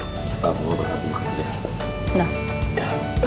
papa bawa bapak pergi kerja